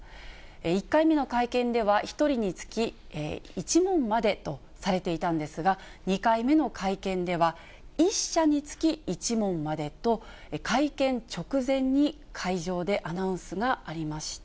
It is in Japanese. １回目の会見では、１人につき、１問までとされていたんですが、２回目の会見では、１社につき１問までと会見直前に会場でアナウンスがありました。